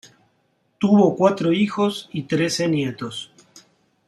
Tuvo cuatro hijos y trece nietos.